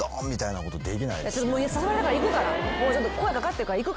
「誘われたから行くから声掛かってるから行くから」